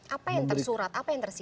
apa yang tersurat